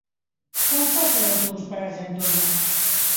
Quan passa l'autobús per Argentona?